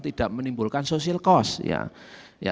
tidak menimbulkan social cost